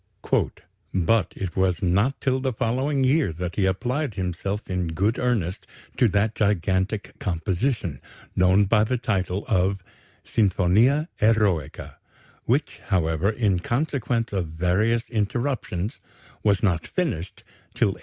"But it was not till the following year that he applied himself in good earnest to that gigantic composition, known by the title of Sinfonia Eroica, which, however, in consequence of various interruptions, was not finished till 1804....